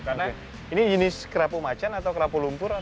karena ini jenis kerapu macan atau kerapu lumpur